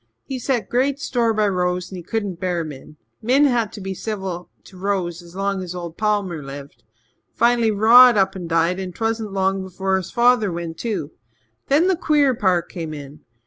He set great store by Rose and he c'dn't bear Min. Min had to be civil to Rose as long as old Palmer lived. Fin'lly Rod up and died and 'twasn't long before his father went too. Then the queer part came in.